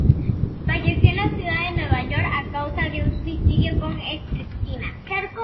Falleció en la ciudad de Nueva York a causa de un suicidio con estricnina.